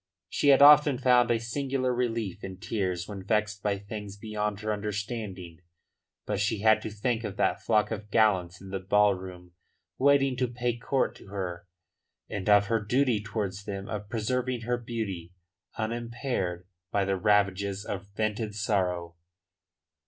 She had often found a singular relief in tears when vexed by things beyond her understanding. But she had to think of that flock of gallants in the ballroom waiting to pay court to her and of her duty towards them of preserving her beauty unimpaired by the ravages of a vented sorrow.